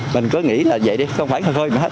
mình cứ nghĩ là vậy đi không phải khơi mà hết